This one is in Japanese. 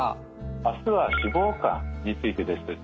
明日は脂肪肝についてです。